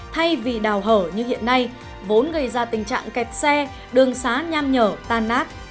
thay vì đào hở như hiện nay vốn gây ra tình trạng kẹt xe đường xá nham nhở tan nát